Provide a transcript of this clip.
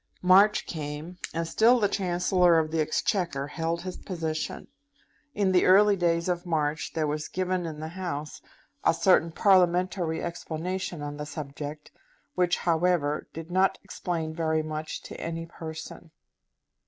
March came, and still the Chancellor of the Exchequer held his position. In the early days of March there was given in the House a certain parliamentary explanation on the subject, which, however, did not explain very much to any person.